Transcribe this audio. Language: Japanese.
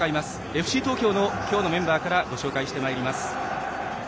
ＦＣ東京の今日のメンバーからご紹介します。